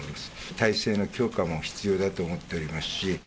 体制の強化も必要だと思っておりますし。